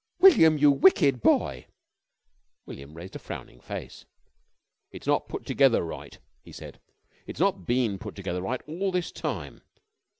"William! You wicked boy!" William raised a frowning face. "It's not put together right," he said, "it's not been put together right all this time.